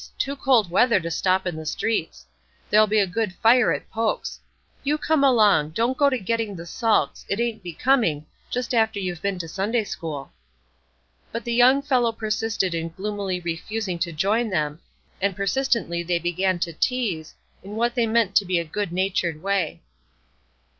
Too cold weather to stop in the streets. There'll be a good fire at Poke's. You come along; don't go to getting the sulks; it ain't becoming, just after you've been to Sunday school." But the young fellow persisted in gloomily refusing to join them, and presently they began to tease, in what they meant to be a good natured way.